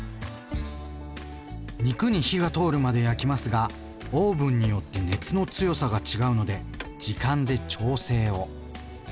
肉に火が通るまで焼きますがオーブンによって熱の強さが違うので時間で調整を。